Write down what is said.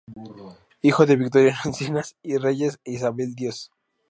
Hijo de Victoriano Encinas y Reyes e Isabel Dios.